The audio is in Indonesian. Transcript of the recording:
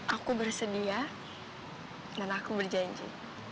aku bersedia dan aku berjanji